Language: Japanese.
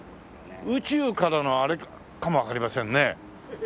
宇宙からのあれかもわかりませんね。